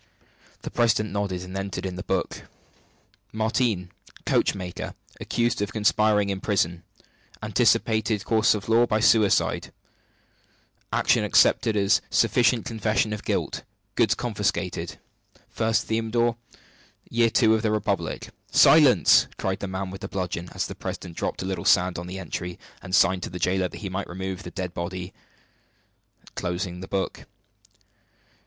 The president nodded, and entered in the book: "Martigne, coachmaker. Accused of conspiring in prison. Anticipated course of law by suicide. Action accepted as sufficient confession of guilt. Goods confiscated. 1st Thermidor, year two of the Republic." "Silence!" cried the man with the bludgeon, as the president dropped a little sand on the entry, and signing to the jailer that he might remove the dead body, closed the book.